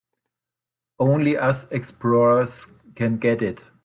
Only us explorers can get it.